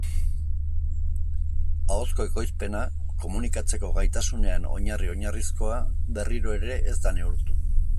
Ahozko ekoizpena, komunikatzeko gaitasunean oinarri-oinarrizkoa, berriro ere ez da neurtu.